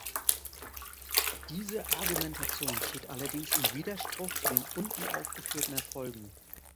Diese Argumentation steht allerdings im Widerspruch zu den unten aufgeführten Erfolgen.